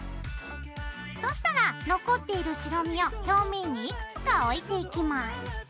そしたら残っている白身を表面にいくつか置いていきます。